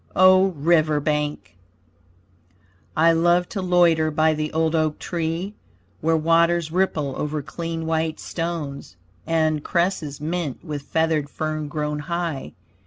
O RIVER BANK I love to loiter by the old oak tree, Where waters ripple over clean white stones, And cresses, mint with feathered fern grown high.